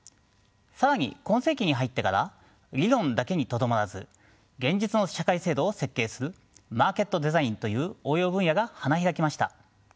更に今世紀に入ってから理論だけにとどまらず現実の社会制度を設計するマーケットデザインという応用分野が花開きました。